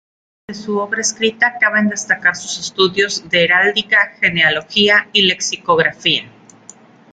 De su obra escrita caben destacar sus estudios de Heráldica, Genealogía y Lexicografía.